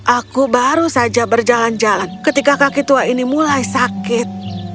aku baru saja berjalan jalan ketika kaki tua ini mulai sakit